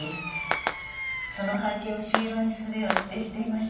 その背景を朱色にするよう指定していました。